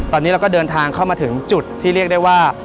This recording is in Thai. ตอนนี้เราก็เดินทางเข้ามาถึงจุดที่เรียกได้ว่า